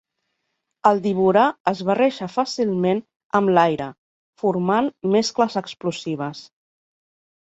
El diborà es barreja fàcilment amb l'aire, formant mescles explosives.